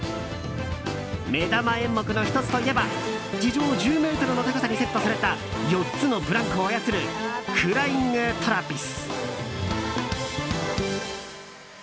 目玉演目の１つといえば地上１０ｍの高さにセットされた４つのブランコを操るフライング・トラピス。